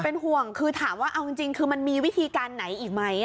เป็นห่วงคือถามว่าเอาจริงคือมันมีวิธีการไหนอีกไหม